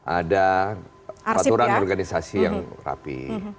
ada aturan organisasi yang rapi